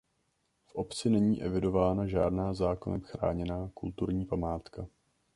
V obci není evidována žádná zákonem chráněná kulturní památka.